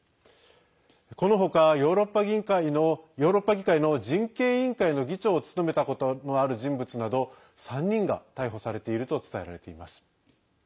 この他、ヨーロッパ議会の人権委員会の議長を務めたことのある人物など３人が逮捕されていると伝えられています。